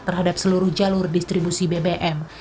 terhadap seluruh jalur distribusi bbm